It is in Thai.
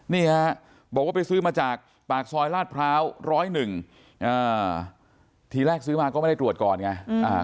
บระบบไปซื้อมาจากปากซอยลาดพร้าวร้อย๑ทีแรกซื้อมาก็ไม่ตรวจก่อนไงนะคะ